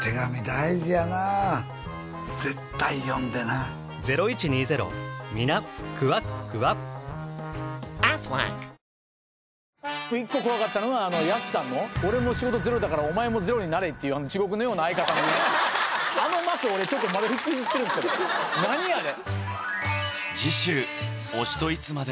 いいじゃないだって一個怖かったのはやすさんの俺も仕事ゼロだからお前もゼロになれっていう地獄のような相方のあのマス俺ちょっとまだ引きずってるんすけど何あれ？